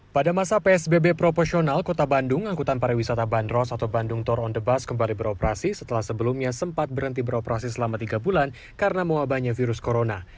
pada masa psbb proporsional kota bandung angkutan pariwisata bandros atau bandung tour on the bus kembali beroperasi setelah sebelumnya sempat berhenti beroperasi selama tiga bulan karena mewabahnya virus corona